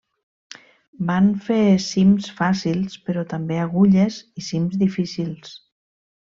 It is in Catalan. Van fer cims fàcils, però també agulles i cims difícils.